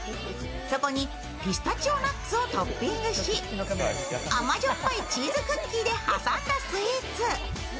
そこにピスタチオナッツをトッピングし甘じょっぱいチーズクッキーで挟んだスイーツ。